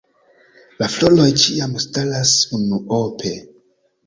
La floroj ĉiam staras unuope.